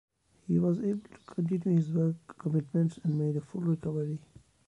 He was able to continue his work commitments and made a full recovery.